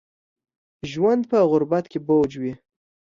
ژوند په غربت کې بوج وي